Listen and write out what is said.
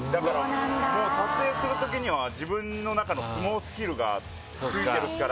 もう撮影する時には自分の中の相撲スキルがついてますから。